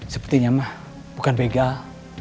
sepertinya mah bukan begal